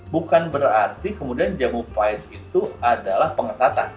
bukan berarti kemudian jabo pahit itu adalah pengetatan